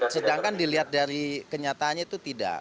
sedangkan dilihat dari kenyataannya itu tidak